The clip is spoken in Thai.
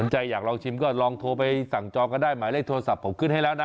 อยากลองชิมก็ลองโทรไปสั่งจอก็ได้หมายเลขโทรศัพท์ผมขึ้นให้แล้วนะ